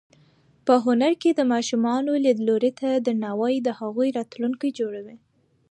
په هنر کې د ماشومانو لیدلوري ته درناوی د هغوی راتلونکی جوړوي.